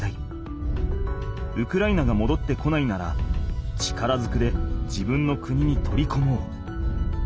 ウクライナがもどってこないなら力ずくで自分の国に取りこもう。